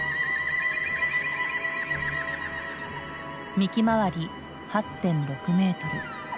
幹周り８．６メートル。